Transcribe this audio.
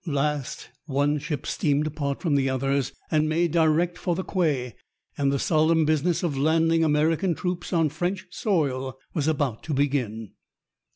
Last, one ship steamed apart from the others and made direct for the quay, and the solemn business of landing American troops on French soil was about to begin.